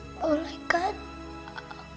mbak confirmation yang satu lagi